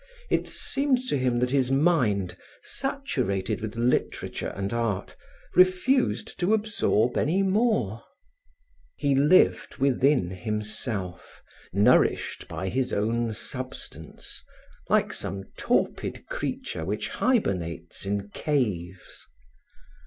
It seemed to him that his mind, saturated with literature and art, refused to absorb any more. He lived within himself, nourished by his own substance, like some torpid creature which hibernates in caves.